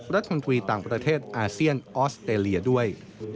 รัฐมนตรีต่างประเทศอาเซียนออสเตรเลียด้วย